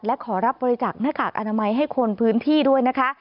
และขอรับบริจาคหน้ากากอนามัยให้คนพื้นที่ด้วยนะคะ